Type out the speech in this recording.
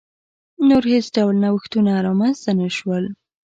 نور هېڅ ډول نوښتونه رامنځته نه شول.